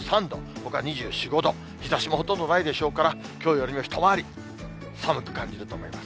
ほかも日ざしもほとんどないでしょうから、きょうよりも一回り寒く感じると思います。